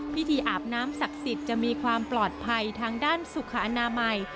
อาบน้ำศักดิ์สิทธิ์จะมีความปลอดภัยทางด้านสุขอนามัย